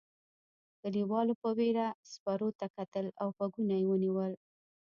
کليوالو په وېره سپرو ته کتل او غوږونه یې ونیول.